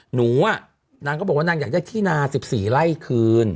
หนูนางก็บอกว่านางอยากได้ที่นา๑๔ไร่คืน